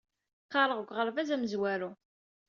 Qqareɣ deg uɣerbaz amezwaru.